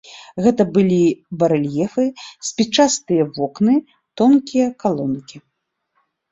Гэта былі барэльефы, спічастыя вокны, тонкія калонкі.